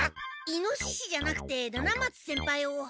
イノシシじゃなくて七松先輩を。